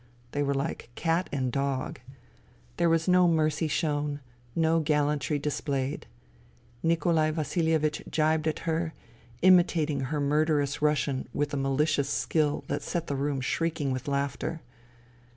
They were like cat and dog. There was no mercy shown, no gallantry displayed. Nikolai Vasilievicli gibed at her, imitating her murderous Russian with a malicious skill that set the room shrieking with laughter.